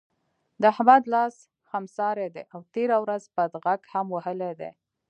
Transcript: د احمد لاس خسمار دی؛ او تېره ورځ بد غږ هم وهلی دی.